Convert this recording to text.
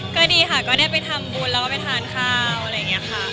ก็ดีค่ะก็ได้ไปทำบุญแล้วก็ไปทานข้าวอะไรอย่างนี้ค่ะ